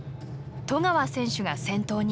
十川選手が先頭に。